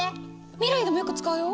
未来でもよく使うよ！